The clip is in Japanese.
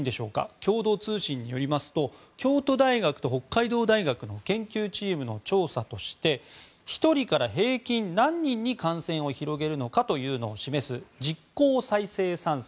共同通信によりますと京都大学と北海道大学の研究チームの調査として１人から平均何人に感染を広げるのかを示す実効再生産数。